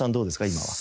今は。